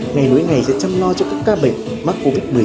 ngày đối ngày sẽ chăm lo cho các ca bệnh mắc covid một mươi chín